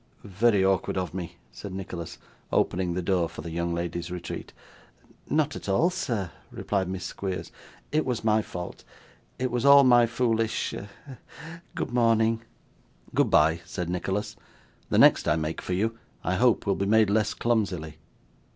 'Very awkward of me,' said Nicholas, opening the door for the young lady's retreat. 'Not at all, sir,' replied Miss Squeers; 'it was my fault. It was all my foolish a a good morning!' 'Goodbye,' said Nicholas. 'The next I make for you, I hope will be made less clumsily.